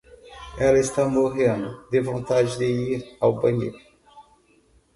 Ela estava morrendo de vontade de ir ao banheiro.